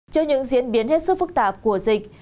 trước những diễn biến hết sức phức tạp của dịch